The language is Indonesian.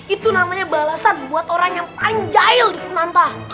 itu namanya balasan buat orang yang paling jahil di penanta